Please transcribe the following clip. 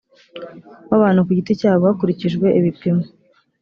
w abantu ku giti cyabo hakurikijwe ibipimo